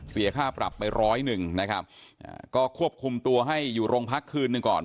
เสียค่าปรับไปร้อยหนึ่งนะครับก็ควบคุมตัวให้อยู่โรงพักคืนหนึ่งก่อน